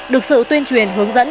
được sự tuyên truyền hướng dẫn